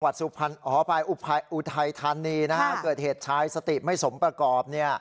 หอภายอุทัยธานีนะครับเกิดเหตุชายสติไม่สมประกอบ